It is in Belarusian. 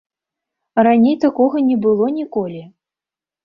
Раней такога не было ніколі.